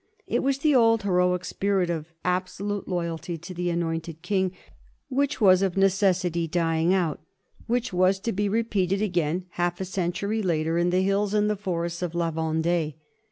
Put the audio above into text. It was the old heroic spirit of absolute loyalty to the annointed king which was of necessity dying out ; which was to be repeated again half a century later in the hills and the forests of La Vendee.